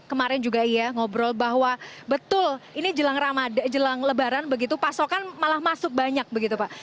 kemarin juga iya ngobrol bahwa betul ini jelang ramadan jelang lebaran begitu pasokan malah masuk banyak begitu pak